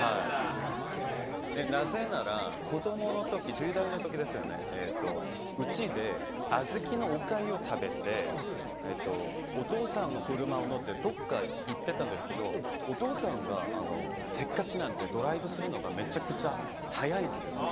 なぜなら子供の時、１０代の時うちで小豆のおかゆを食べてお父さんが車に乗ってどっか行ってたんですけどお父さんがせっかちなんでドライブするのがめちゃくちゃ速いんです。